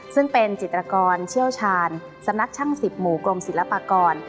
ซึ่งเป็นจิตรกรเชี่ยวชาญสำนักช่าง๑๐หมู่กรมศิลปากร